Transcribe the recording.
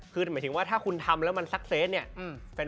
คือหมายถึงว่าถ้าคุณทำแล้วมันซักเซตเนี่ย